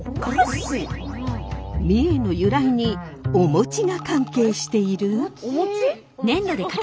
三重の由来にお餅が関係している？